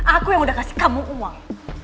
aku yang udah kasih kamu uang